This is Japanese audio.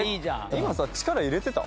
今さ力入れてた？